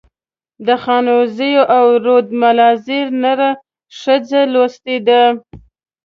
د خانوزۍ او رودملازۍ نر ښځه لوستي دي.